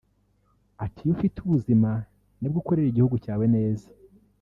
Ati”Iyo ufite ubuzima ni bwo ukorera igihugu cyawe neza